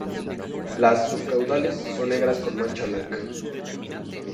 Las subcaudales son negras con mancha blanca.